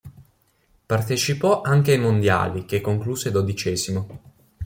Partecipò anche ai mondiali che concluse dodicesimo.